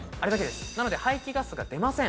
なので排出ガスが出ません。